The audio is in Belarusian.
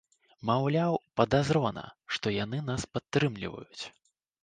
Маўляў, падазрона, што яны нас падтрымліваюць.